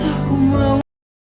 anda sama sekali